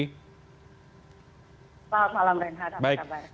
selamat malam renhard apa kabar